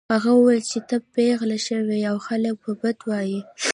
هغه وویل چې ته پیغله شوې يې او خلک به بد وايي